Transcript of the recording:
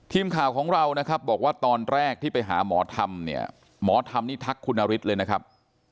ทีมข่าวของเรานะครับบอกว่าตอนแรกที่ไปหาหมอธรรมเนี่ยหมอธรรมนี่ทักคุณนฤทธิ์เลยนะครับ